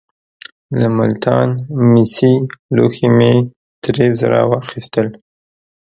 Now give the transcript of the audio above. له ملتان مسي لوښي مې درې زره واخیستل.